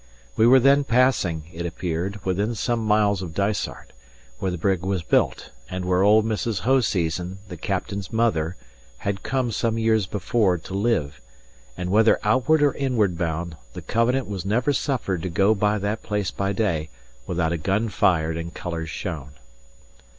We were then passing, it appeared, within some miles of Dysart, where the brig was built, and where old Mrs. Hoseason, the captain's mother, had come some years before to live; and whether outward or inward bound, the Covenant was never suffered to go by that place by day, without a gun fired and colours shown.